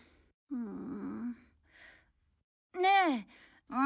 うん！